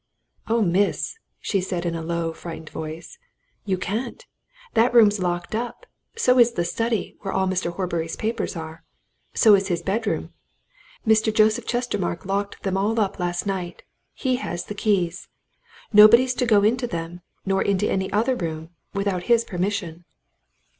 "Oh, miss!" she said, in a low, frightened voice, "you can't! That room's locked up. So is the study where all Mr. Horbury's papers are. So is his bedroom. Mr. Joseph Chestermarke locked them all up last night he has the keys. Nobody's to go into them nor into any other room without his permission."